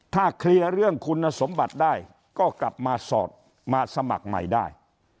ถ้าเคลียร์เรื่องคุณสมบัติได้ก็กลับมาสอดมาสมัครใหม่ได้